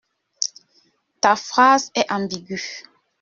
Ta phrase est ambigüe.